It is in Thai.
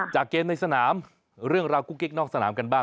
เกมในสนามเรื่องราวกุ๊กกิ๊กนอกสนามกันบ้าง